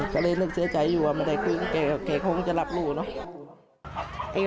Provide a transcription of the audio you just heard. ก็เลยเสียใจอยู่ไม่ได้คุยกับแกแกคงจะรับลูกเนอะ